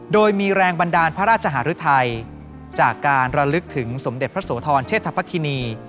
โดยมีแรงบันดาลพระราชหารุทัยจากการระลึกถึงสมเด็จพระโสธรเชษฐภคินี